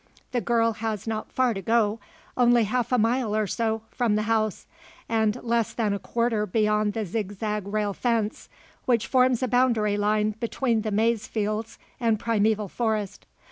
The girl has not far to go only half a mile or so, from the house, and less than a quarter beyond the zigzag rail fence, which forms a boundary line between the maize fields and primeval forest.